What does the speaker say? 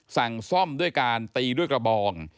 สั่งซ่อมด้วยการตีด้วยกระบอง